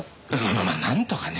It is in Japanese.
まあまあなんとかね。